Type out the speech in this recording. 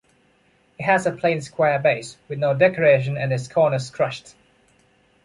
It has a plain square base, with no decoration and its corners crushed.